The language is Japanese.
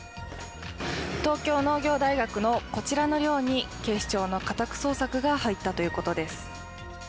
東京農業大学のこちらの寮に警視庁の家宅捜索が入ったということです。